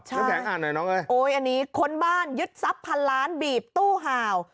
น้ำแข็งอ่านหน่อยน้องเอ้ยโอ้ยอันนี้ค้นบ้านยึดทรัพย์พันล้านบีบตู้ห่าว